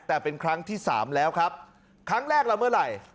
แต่เป็นครั้งที่สามแล้วครับครั้งแรกละเมื่อไหร่